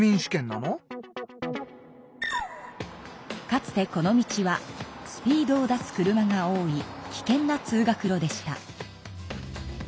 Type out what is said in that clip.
かつてこの道はスピードを出す車が多い危険な通学路でした。